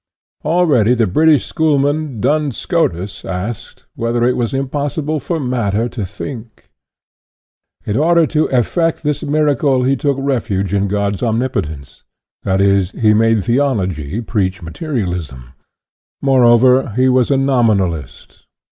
Already the British schoolman, Duns Scotus, asked, ' whether it was impossible for matter to think ?'" In order to effect this miracle, he took refuge in God's omnipotence, i.e., he made theology preach materialism. Moreover, he was a nomi nalist.